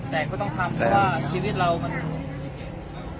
แต่ก็ต้องทำเพราะว่าชีวิตเรามันมีเก่ง